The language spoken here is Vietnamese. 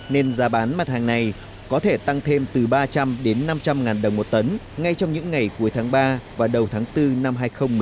nên giá bán mặt hàng này có thể tăng thêm từ ba trăm linh đến năm trăm linh ngàn đồng một tấn ngay trong những ngày cuối tháng ba và đầu tháng bốn năm hai nghìn một mươi chín